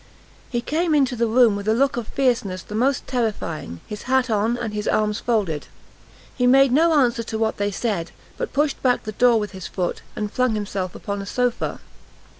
He came into the room with a look of fierceness the most terrifying, his hat on, and his arms folded. He made no answer to what they said, but pushed back the door with his foot, and flung himself upon a sofa.